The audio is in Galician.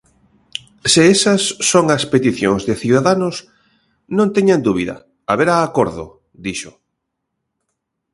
Se esas son as peticións de Ciudadanos, non teñan dúbida, haberá acordo, dixo.